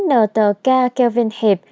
nờ tờ ca kelvin hiệp